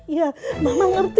iya mama ngerti